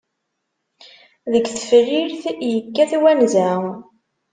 Deg tefrirt yekkat wanza.